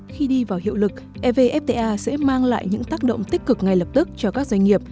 khi đi vào hiệu lực evfta sẽ mang lại những tác động tích cực ngay lập tức cho các doanh nghiệp